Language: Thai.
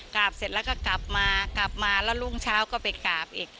กราบเสร็จแล้วก็กลับมากลับมาแล้วรุ่งเช้าก็ไปกราบอีก